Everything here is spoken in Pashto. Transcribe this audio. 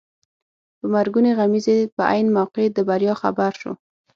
د مرګونې غمیزې په عین موقع د بریا خبر شو.